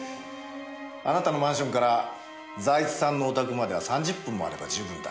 あなたのマンションから財津さんのお宅までは３０分もあれば十分だ。